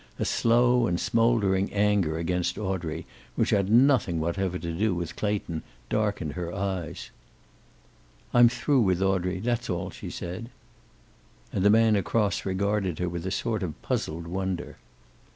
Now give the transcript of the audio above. A slow and smoldering anger against Audrey, which had nothing whatever to do with Clayton, darkened her eyes. "I'm through with Audrey. That's all," she said. And the man across regarded her with a sort of puzzled wonder.